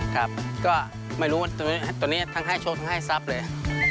ครับก็ไม่รู้ว่าตัวนี้ทั้งให้โชคทั้งให้ทรัพย์เลย